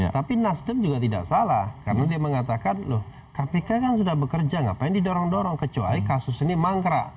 tapi nasdem juga tidak salah karena dia mengatakan loh kpk kan sudah bekerja ngapain didorong dorong kecuali kasus ini mangkrak